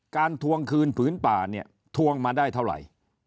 ทวงคืนผืนป่าเนี่ยทวงมาได้เท่าไหร่